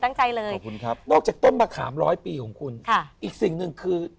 ตั้งใจเลย